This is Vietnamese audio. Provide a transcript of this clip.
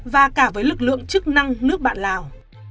và cả với lực lượng chức năng nước bạn lào